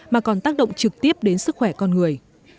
mà còn tác động trực tiếp đến sức khỏe con người